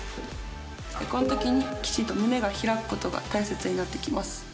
こんときにきちんと胸が開くことが大切になってきます。